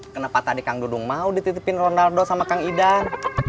kenapa tadi kang dudung mau dititipin ronaldo sama kang idar